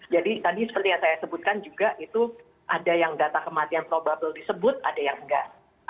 jadi tadi seperti yang saya sebutkan juga itu ada yang data kematian probable disebut ada yang enggak